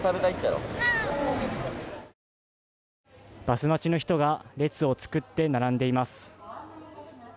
バス待ちの人が列を作って並んでいます。